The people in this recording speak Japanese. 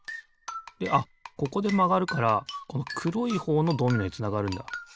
であっここでまがるからこのくろいほうのドミノへつながるんだ。